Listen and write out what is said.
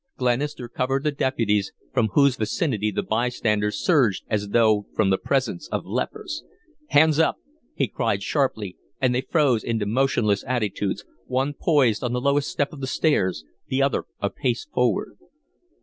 Glenister covered the deputies, from whose vicinity the by standers surged as though from the presence of lepers. "Hands up!" he cried, sharply, and they froze into motionless attitudes, one poised on the lowest step of the stairs, the other a pace forward.